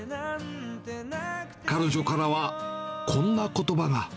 彼女からは、こんなことばが。